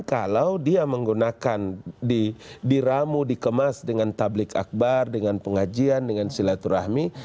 kalau dia menggunakan diramu dikemas dengan tablik akbar dengan pengajian dengan silaturahmi